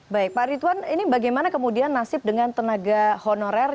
baik pak ridwan ini bagaimana kemudian nasib dengan tenaga honorer